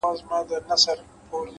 علم د انسان فکر ژوروي